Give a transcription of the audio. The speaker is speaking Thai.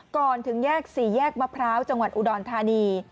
ก่อนถึงแยก๔แยกมะพร้าวจังหวัดอุดรธานี